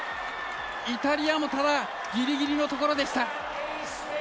イタリアもただギリギリのところでした。